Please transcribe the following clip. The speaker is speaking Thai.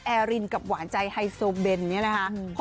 แอรินกับหวานใจไฮโซเบนเนี่ยนะคะ